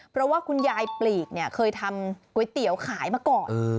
เพราะว่าคุณยายปลีกเนี่ยเคยทำก๋วยเตี๋ยวขายมาก่อน